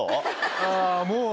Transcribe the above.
もう。